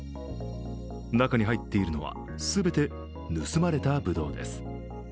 中に入っているのは全て盗まれたぶどうです。